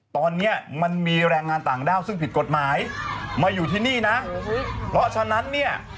ตอนนี้มันมีแรงงานต่างด้าวซึ่งผิดกฎหมายมาอยู่ที่นี่นะเพราะฉะนั้นเนี่ย